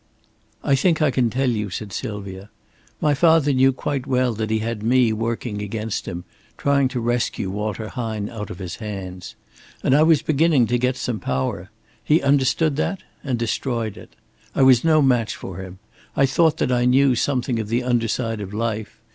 "I think I can tell you," said Sylvia. "My father knew quite well that he had me working against him, trying to rescue Walter Hine out of his hands. And I was beginning to get some power. He understood that, and destroyed it. I was no match for him. I thought that I knew something of the under side of life.